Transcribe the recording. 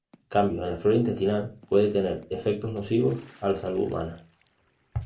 Cambios en la flora intestinal puede tener efectos nocivos a la salud humana.